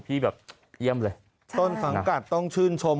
พี่แบบเยี่ยมเลยต้นสังกัดต้องชื่นชม